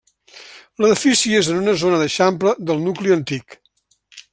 L'edifici és en una zona d'eixample del nucli antic.